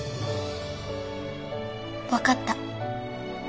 わかった。